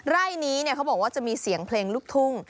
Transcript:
ไร่นี้เขาบอกว่าจะมีเสียงเพลงลูกทุ่ง